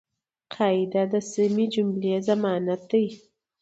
قاعده د سمي جملې ضمانت دئ.